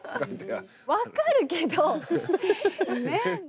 分かるけどね？